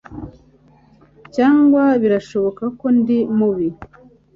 cyangwa birashoboka ko ndi mubi